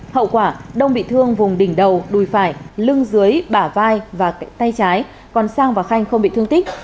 hậu quả đông bị thương vùng đỉnh đầu đùi phải lưng dưới bả vai và tay trái còn sang và khanh không bị thương tích